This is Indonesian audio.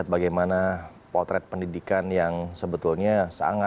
dari malino cnn indonesia